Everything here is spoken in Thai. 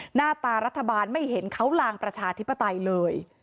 หน้าตารัฐบาลไม่เห็นเขาลางประชาธิปไตยเลย